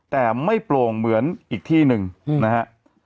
แต่ไม่โปร่งเหมือนอีกที่หนึ่งนะฮะ